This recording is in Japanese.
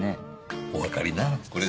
お分かりなら。